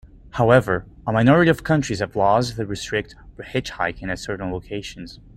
However, a minority of countries have laws that restrict hitchhiking at certain locations.